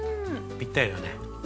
ぴったりだよね。